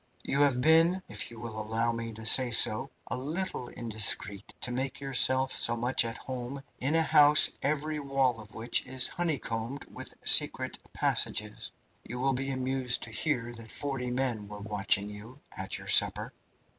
"You have been, if you will allow me to say so, a little indiscreet to make yourself so much at home in a house every wall of which is honeycombed with secret passages. You will be amused to hear that forty men were watching you at your supper.